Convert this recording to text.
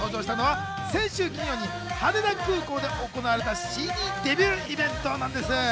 先週金曜日、羽田空港で行われたＣＤデビューイベントなんです。